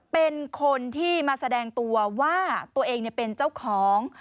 เป็นคนที่มาแสดงตัวว่าตัวเองเป็นเจ้าของ